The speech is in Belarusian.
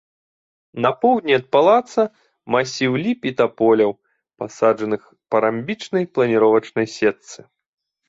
На поўдні ад палаца масіў ліп і таполяў, пасаджаных па рамбічнай планіровачнай сетцы.